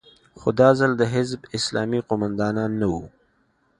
خو دا ځل د حزب اسلامي قومندانان نه وو.